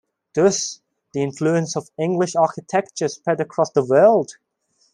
Thus, the influence of English architecture spread across the world.